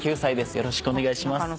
よろしくお願いします。